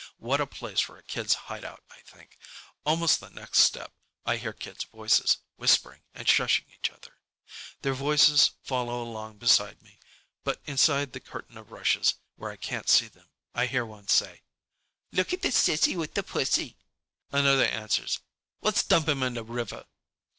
What a place for a kids' hideout, I think. Almost the next step, I hear kids' voices, whispering and shushing each other. Their voices follow along beside me, but inside the curtain of rushes, where I can't see them. I hear one say, "Lookit the sissy with the pussy!" Another answers, "Let's dump 'em in the river!"